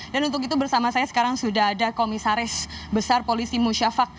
dan untuk itu bersama saya sekarang sudah ada komisaris besar polisi musyafak